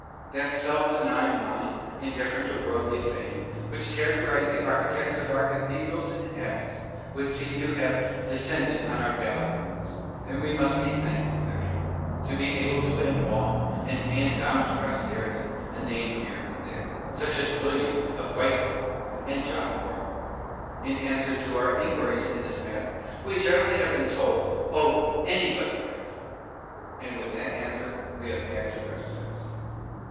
That self denying mind, indifferent to worldly fame, which characterised the architects of our cathedrals and abbeys, would seem to have descended on our ballad writers; and we must be thankful, therefore, to be able to embalm and hand down to posterity a name here and there, such as William of Wykeham, and John Morgan. In answer to our inquiries in this matter, generally we have been told, 'Oh, anybody writes them' and with that answer we have had to rest satisfied.